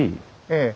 ええ。